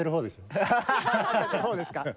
そうですか。